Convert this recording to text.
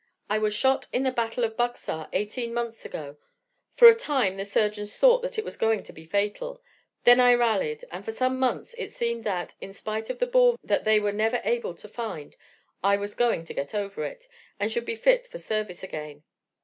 I was shot in the battle of Buxar, eighteen months ago. For a time the surgeons thought that it was going to be fatal; then I rallied, and for some months it seemed that, in spite of the ball that they were never able to find, I was going to get over it, and should be fit for service again.